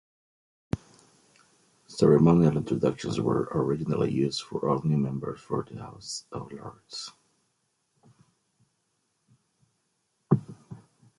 Ceremonial introductions were originally used for all new members of the House of Lords.